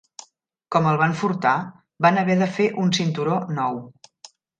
Com el van furtar, van haver de fer un cinturó nou.